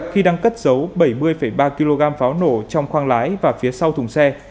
khi đang cất dấu bảy mươi ba kg pháo nổ trong khoang lái và phía sau thùng xe